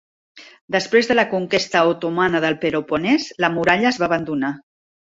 Després de la conquesta otomana del Peloponès, la muralla es va abandonar.